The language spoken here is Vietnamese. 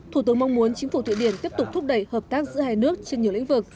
thủ tướng mong muốn chính phủ thụy điển tiếp tục thúc đẩy hợp tác giữa hai nước trên nhiều lĩnh vực